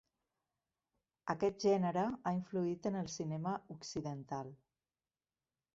Aquest gènere ha influït en el cinema occidental.